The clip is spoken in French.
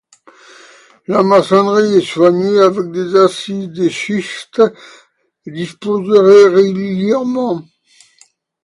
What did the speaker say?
La maçonnerie est soignée, avec des assises de schiste disposées régulièrement.